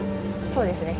そうですね。